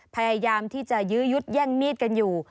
พยายามที่จะยื้อยุดแย่งมีดกันอยู่